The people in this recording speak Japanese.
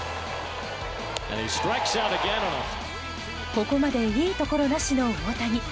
ここまでいいところなしの大谷。